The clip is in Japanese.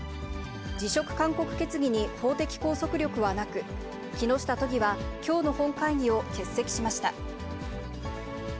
辞職勧告決議に法的拘束力はなく、木下都議はきょうの本会議を欠席しました。